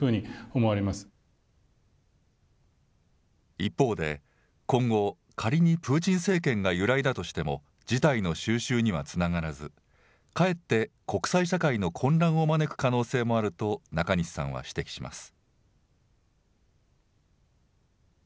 一方で、今後、仮にプーチン政権が揺らいだとしても、事態の収拾にはつながらず、かえって国際社会の混乱を招く可能性もあると、中西さんは指摘します。